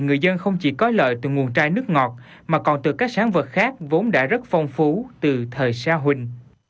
nó không chỉ có lợi từ nguồn trai nước ngọt mà còn từ các sản vật khác vốn đã rất phong phú từ thời xa huỳnh